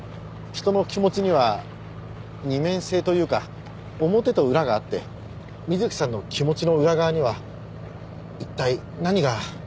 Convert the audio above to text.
人の気持ちには二面性というか表と裏があって美月さんの気持ちの裏側には一体何が。